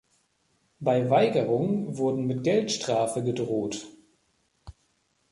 Bei Weigerung wurden mit Geldstrafe gedroht.